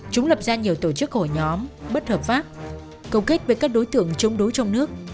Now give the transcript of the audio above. chúng lập ra nhiều tổ chức hội nhóm bất hợp pháp cầu kết với các đối tượng chống đối trong nước